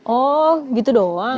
oh gitu doang